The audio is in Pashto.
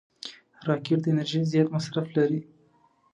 راکټ د انرژۍ زیات مصرف لري